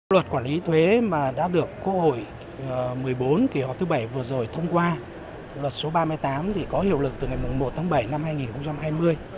luật quản lý thuế đã được quốc hội một mươi bốn kỳ họp thứ bảy vừa rồi thông qua luật số ba mươi tám có hiệu lực từ ngày một tháng bảy năm hai nghìn hai mươi